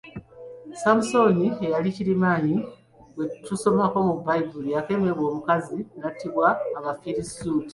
Samusoni eyali kirimaanyi gwe tusomako mu Baibuli yakemebwa omukazi nattibwa abafirisuuti.